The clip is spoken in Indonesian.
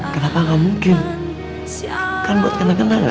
kenapa gak mungkin kan buat kenangan kenangan